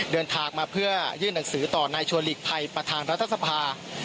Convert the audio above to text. เดินทางมาเพื่อยื่นหนังสือต่อนายชวนหลีกภัยประธานรัฐสภา